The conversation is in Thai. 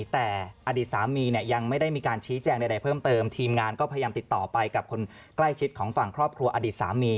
แต่อดีตสามีเนี่ยยังไม่ได้มีการชี้แจงใดเพิ่มเติมทีมงานก็พยายามติดต่อไปกับคนใกล้ชิดของฝั่งครอบครัวอดีตสามี